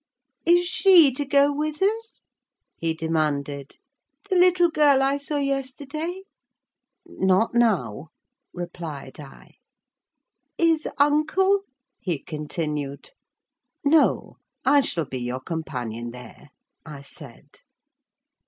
"Is she to go with us," he demanded, "the little girl I saw yesterday?" "Not now," replied I. "Is uncle?" he continued. "No, I shall be your companion there," I said.